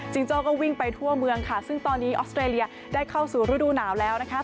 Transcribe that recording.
โจ้ก็วิ่งไปทั่วเมืองค่ะซึ่งตอนนี้ออสเตรเลียได้เข้าสู่ฤดูหนาวแล้วนะคะ